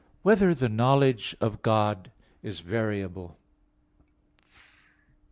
15] Whether the Knowledge of God Is Variable?